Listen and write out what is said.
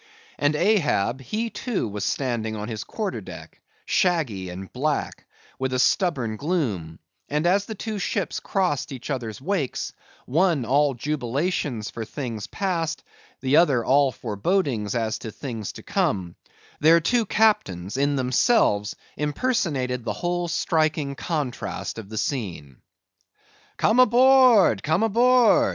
And Ahab, he too was standing on his quarter deck, shaggy and black, with a stubborn gloom; and as the two ships crossed each other's wakes—one all jubilations for things passed, the other all forebodings as to things to come—their two captains in themselves impersonated the whole striking contrast of the scene. "Come aboard, come aboard!"